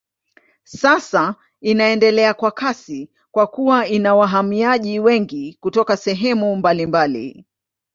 Sasa inaendelea kwa kasi kwa kuwa ina wahamiaji wengi kutoka sehemu mbalimbali.